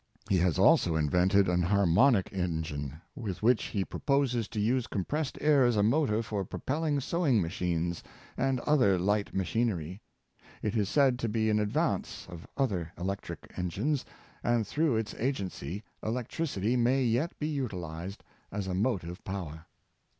He has also invented an harmonic engine, with which he proposes to use compressed air as a motor for pro pelling sewing machines, and other light machinery. It is said to be in advance of other electric engines, and through its agency, electricity may yet be utilized as a motive power.